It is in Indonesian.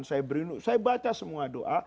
saya baca semua doa